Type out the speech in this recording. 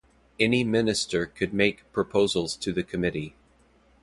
Any Minister could make proposals to the committee.